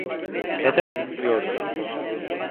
Neden gülüyorsun?